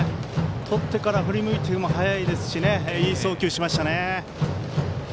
とってから振り向いても速いですしいい送球しましたね。